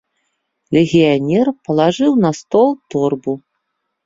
Легіянер палажыў на стол торбу.